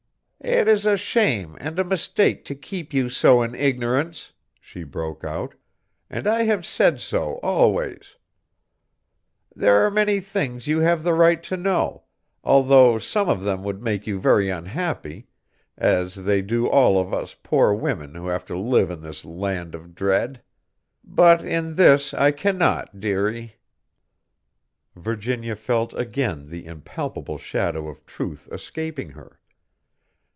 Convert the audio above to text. "It is a shame and a mistake to keep you so in ignorance!" she broke out, "and I have said so always. There are many things you have the right to know, although some of them would make you very unhappy as they do all of us poor women who have to live in this land of dread. But in this I cannot, dearie." Virginia felt again the impalpable shadow of truth escaping her.